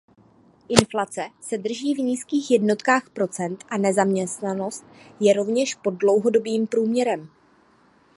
Inflace se drží v nízkých jednotkách procent a nezaměstnanost je rovněž pod dlouhodobým průměrem.